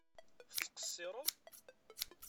Tettqeṣṣireḍ?